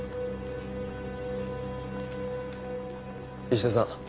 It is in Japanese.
石田さん